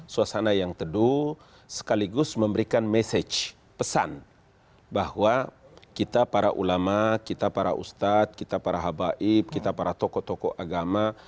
suasana yang teduh sekaligus memberikan message pesan bahwa kita para ulama kita para ustadz kita para habaib kita para tokoh tokoh agama